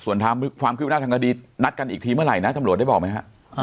ส่วนทางความควิวบรรยากาศหนัดดีนัดกันอีกทีเมื่อไหร่นะสำรวจได้บอกไหมครับ